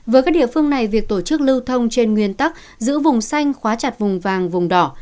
với các địa phương này việc tổ chức lưu thông trên nguyên tắc giữ vùng xanh khóa chặt vùng vàng vùng đỏ